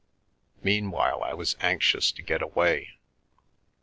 Meanwhile, I was anxious to get away.